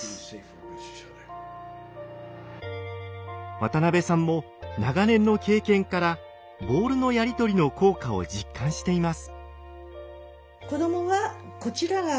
渡辺さんも長年の経験からボールのやり取りの効果を実感しています。